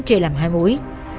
chia làm hai mũi